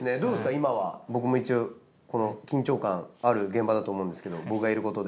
今は僕も一応緊張感ある現場だと思うんですけど僕がいることで。